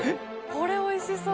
これおいしそう。